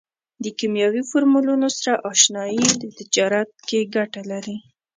د کیمیاوي فورمولونو سره اشنایي په تجارت کې ګټه لري.